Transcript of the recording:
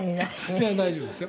「いや大丈夫ですよ」